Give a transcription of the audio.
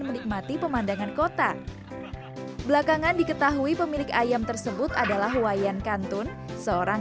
menikmati pemandangan kota belakangan diketahui pemilik ayam tersebut adalah wayan kantun seorang